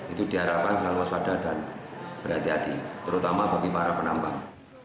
itu diharapkan selalu waspada dan berhati hati terutama bagi para penambang